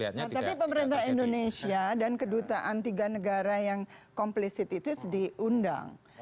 nah tapi pemerintah indonesia dan kedutaan tiga negara yang komplisit itu diundang